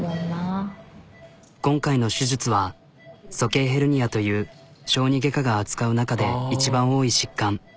今回の手術はそけいヘルニアという小児外科が扱う中で一番多い疾患。